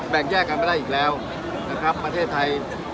แยกกันไม่ได้อีกแล้วนะครับประเทศไทย